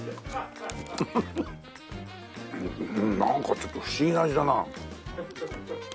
なんかちょっと不思議な味だな。